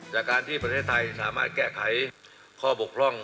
จากการที่ประเทศไทยสามารถแก้ไขข้อบกพร่อง